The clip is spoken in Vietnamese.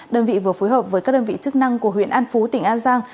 đơn vị vừa phối hợp với các đơn vị chức năng của huyện an phú tỉnh an giang